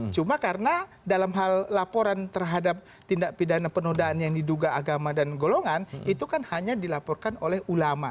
cuma karena dalam hal laporan terhadap tindak pidana penodaan yang diduga agama dan golongan itu kan hanya dilaporkan oleh ulama